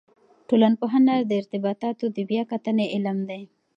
ټولنپوهنه د ارتباطاتو د بیا کتنې علم دی.